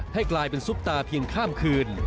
ให้กลายเป็นซุปตาเพียงข้ามคืน